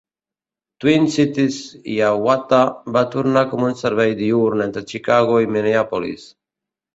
"Twin Cities Hiawatha" va tornar com un servei diürn entre Chicago i Minneapolis.